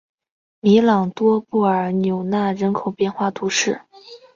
米朗多布尔纽纳人口变化图示